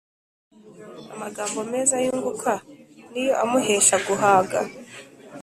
amagambo meza yunguka ni yo amuhesha guhaga